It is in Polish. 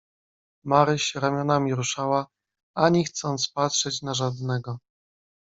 "Maryś ramionami ruszała, ani chcąc patrzeć na żadnego."